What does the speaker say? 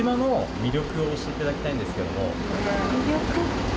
魅力？